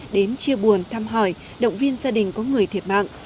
đến chia buồn thăm hỏi động viên gia đình có người thiệt mạng